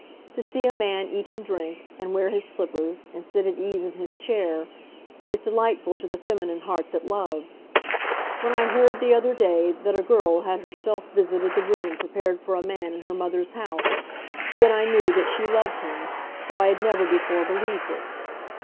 To see a man eat and drink, and wear his slippers, and sit at ease in his chair, is delightful to the feminine heart that loves. When I heard the other day that a girl had herself visited the room prepared for a man in her mother's house, then I knew that she loved him, though I had never before believed it.